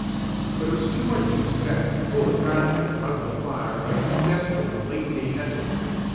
But it was too much to expect to pull the contest out of the fire by such desperate and late day methods.